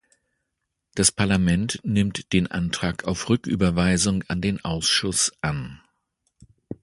Das Parlament nimmt den Antrag auf Rücküberweisung an den Ausschuss an.